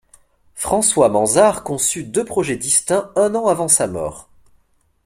François Mansart conçut deux projets distincts un an avant sa mort.